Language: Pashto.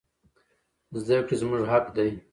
زدکړي زموږ حق دي